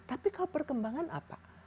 tapi kalau perkembangan apa